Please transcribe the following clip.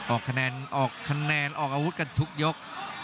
ออกขนาดออกอาวุธกันทุกยก